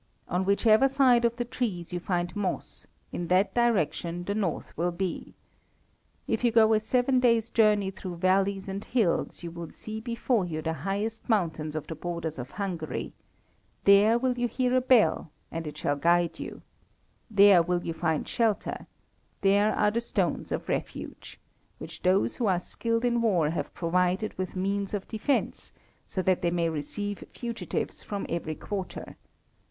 On whichever side of the trees you find moss, in that direction the north will be. If you go a seven days' journey through valleys and hills, you will see before you the highest mountains on the borders of Hungary; there will you hear a bell, and it shall guide you. There you will find a shelter there are the Stones of Refuge, which those who are skilled in war have provided with means of defence, so that they may receive fugitives from every quarter.